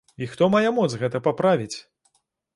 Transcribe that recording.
І хто мае моц гэта паправіць?